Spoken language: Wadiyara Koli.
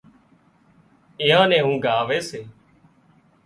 ايئان نين اونگھ آوي ري